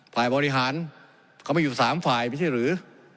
ฝ่ายบริหารเขาไม่อยู่๓ฝ่ายไม่ใช่หรือ